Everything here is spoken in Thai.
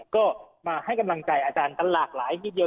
ก็มาให้กำลังใจอาจารย์กันหลากหลายทีเดียว